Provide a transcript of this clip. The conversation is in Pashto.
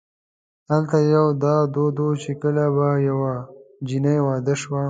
هلته یو دا دود و چې کله به یوه جنۍ واده شوه.